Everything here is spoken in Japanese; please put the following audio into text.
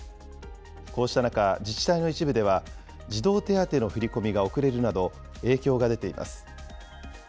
こうした中、自治体の一部では児童手当の振り込みが遅れるなど、影響が出ています。